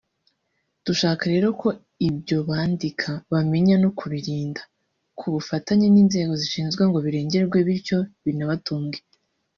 Dushaka rero ko ibyo bandika bamenya no kubirinda ku bufatanye n’inzego zibishinzwe ngo birengerwe bityo binabatunge”